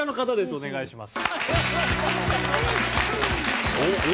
お願いします。